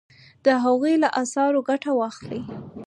د هغوی له اثارو ګټه واخلئ.